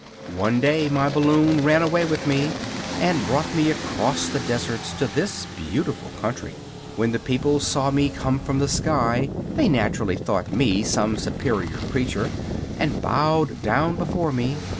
"One day my balloon ran away with me and brought me across the deserts to this beautiful country. When the people saw me come from the sky they naturally thought me some superior creature, and bowed down before me.